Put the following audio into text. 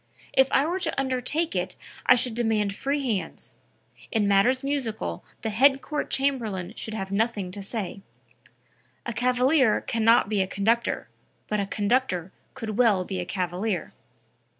If I were to undertake it I should demand free hands. In matters musical the Head Court Chamberlain should have nothing to say; a cavalier can not be a conductor, but a conductor can well be a cavalier."